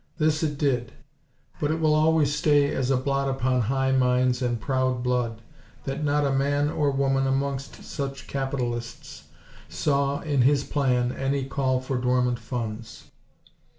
This it did; but it will always stay as a blot upon high minds and proud blood that not a man or woman amongst such capitalists saw, in his plan, any call for dormant funds.